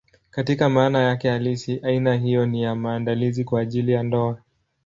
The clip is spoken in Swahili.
Katika maana yake halisi, aina hiyo ni ya maandalizi kwa ajili ya ndoa.